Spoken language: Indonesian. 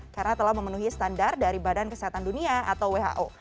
karena telah memenuhi standar dari badan kesehatan dunia atau who